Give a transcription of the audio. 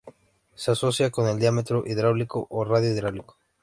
Se asocia con el diámetro hidráulico o radio hidráulico.